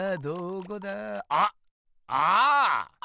あっああ！